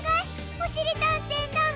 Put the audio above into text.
おしりたんていさん。